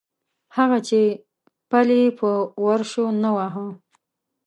هغه چې پل یې په ورشو نه واهه.